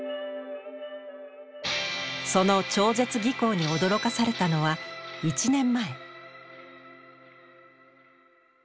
その超絶技巧に驚かされたのは１年前。